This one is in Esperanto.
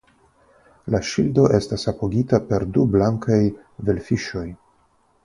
La ŝildo estas apogita per du blankaj velfiŝoj.